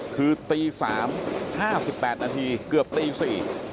คือตีสามห้าสิบแปดนาทีเกือบตีสี่